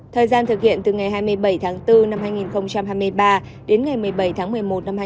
thời gian thực hiện từ ngày hai mươi bảy tháng bốn năm hai nghìn hai mươi ba đến ngày một mươi bảy tháng một mươi một năm hai nghìn hai mươi